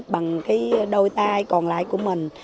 bằng cái đôi tay còn lại của mình